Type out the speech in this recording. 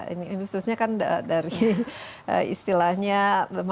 ini khususnya kan dari istilahnya masyarakat veteran